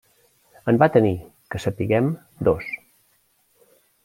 En va tenir, que sapiguem, dos: